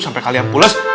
sampai kalian pulas